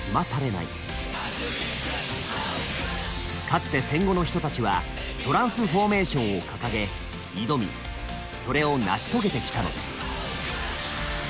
かつて戦後の人たちはトランスフォーメーションを掲げ挑みそれを成し遂げてきたのです。